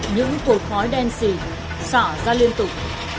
những cột khói đen xì xả ra liên tục